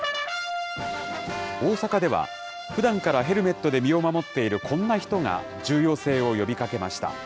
大阪では、ふだんからヘルメットで身を守っているこんな人が重要性を呼びかけました。